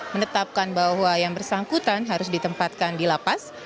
menetapkan bahwa yang bersangkutan harus ditempatkan di lapas